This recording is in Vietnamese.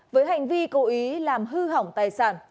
với hành vi cố ý làm hư hỏng tài sản